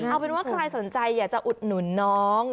เอาเป็นว่าใครสนใจอยากจะอุดหนุนน้อง